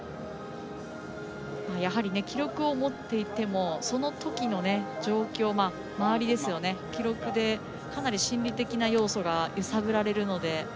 記録を持っていてもそのときの状況周りですよね、記録でかなり心理的な要素が揺さぶられるので。